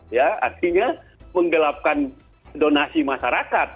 ya artinya menggelapkan donasi masyarakat